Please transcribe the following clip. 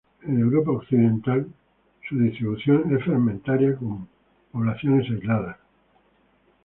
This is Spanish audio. En Europa occidental su distribución es fragmentaria, con poblaciones aisladas.